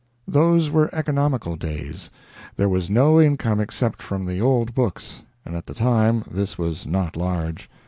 Those were economical days. There was no income except from the old books, and at the time this was not large.